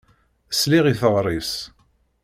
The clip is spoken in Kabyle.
Sliɣ i teɣṛi-s.